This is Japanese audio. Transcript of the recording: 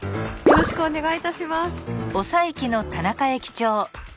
よろしくお願いします。